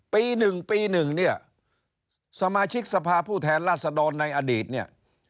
ปีหนึ่งปีหนึ่งเนี่ยสมาชิกสภาผู้แทนราษฎรในอดีตเนี่ย